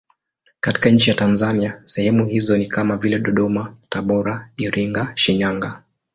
Katika nchi ya Tanzania sehemu hizo ni kama vile Dodoma, Tabora, Iringa, Shinyanga.